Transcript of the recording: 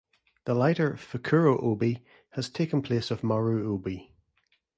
The lighter "fukuro obi" has taken the place of maru obi.